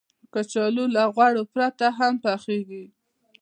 کچالو له غوړو پرته هم پخېږي